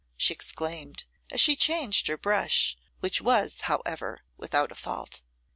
she exclaimed, as she changed her brush, which was, however, without a fault.